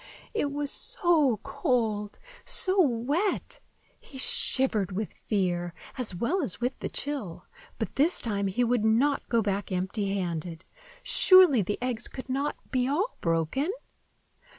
It was so cold, so wet! He shivered with fear, as well as with the chill; but this time he would not go back empty handed. Surely, the eggs could not be all broken?